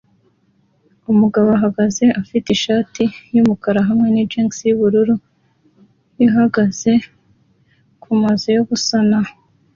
umugabo uhagaze afite ishati yumukara hamwe na jans yubururu ihagaze kumazu yo gusana